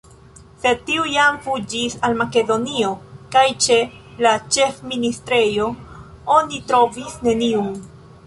Sed tiu jam fuĝis al Makedonio kaj ĉe la ĉefministrejo oni trovis neniun.